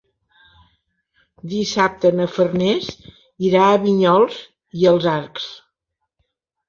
Dissabte na Farners irà a Vinyols i els Arcs.